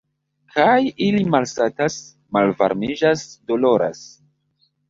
Kaj ili malsatas, malvarmiĝas, doloras.